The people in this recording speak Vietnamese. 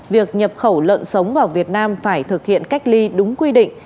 việc nhập khẩu lợn sống vào việt nam phải thực hiện cách ly đúng quy định